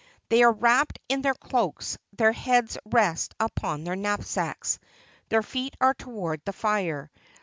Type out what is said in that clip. They are wrapped in their cloaks, their heads rest upon their knapsacks, their feet are toward the fire.